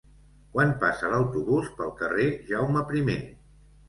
Quan passa l'autobús pel carrer Jaume I?